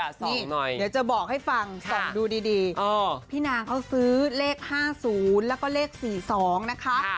เดี๋ยวจะบอกให้ฟังส่องดูดีพี่นางเขาซื้อเลข๕๐แล้วก็เลข๔๒นะคะ